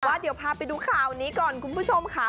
ว่าเดี๋ยวพาไปดูข่าวนี้ก่อนคุณผู้ชมค่ะ